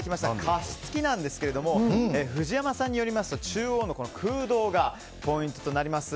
加湿器なんですけれども藤山さんによりますと中央の空洞がポイントとなります。